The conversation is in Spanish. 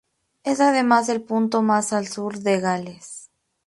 Es además el punto más al sur de Gales.